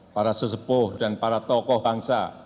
para sesepuh dan para tokoh bangsa